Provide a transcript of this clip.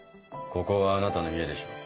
ここはあなたの家でしょう。